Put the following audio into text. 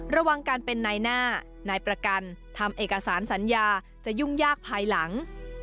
ระวังการเป็นนายหน้านายประกันทำเอกสารสัญญาจะยุ่งยากภายหลัง